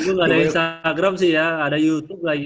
belum ada instagram sih ya ada youtube lagi